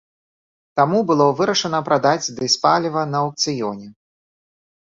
Таму было вырашана прадаць дызпаліва на аўкцыёне.